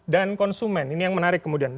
dan konsumen ini yang menarik kemudian